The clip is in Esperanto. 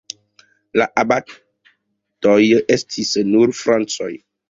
La abatoj estis nur francoj.